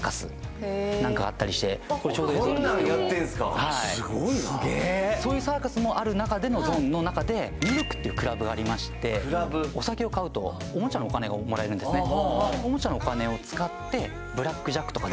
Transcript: これちょうど映像すげえそういうサーカスもある中でのゾーンの中でＭＩＬＫっていうクラブがありましてお酒を買うとおもちゃのお金がもらえるんですね